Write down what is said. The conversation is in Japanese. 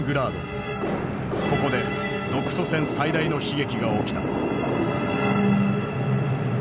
ここで独ソ戦最大の悲劇が起きた。